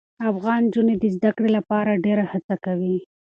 افغان نجونې د زده کړې لپاره ډېره هڅه کوي.